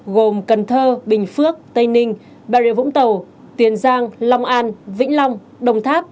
gồm cần thơ bình phước tây ninh bà rịa vũng tàu tiền giang long an vĩnh long đồng tháp